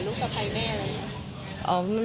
สะพายแม่อะไรอย่างนี้